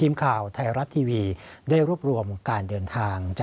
ทีมข่าวไทยรัฐทีวีได้รวบรวมการเดินทาง